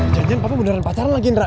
janjian papa bundaran pacaran lagi nra